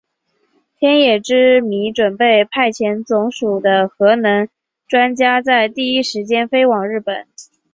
天野之弥准备派遣总署的核能专家在第一时间飞往日本。